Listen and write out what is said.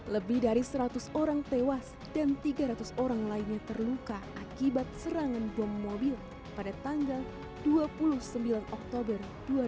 lebih dari seratus orang tewas dan tiga ratus orang lainnya terluka akibat serangan bom mobil pada tanggal dua puluh sembilan oktober dua ribu dua puluh